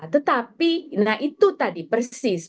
tetapi nah itu tadi persis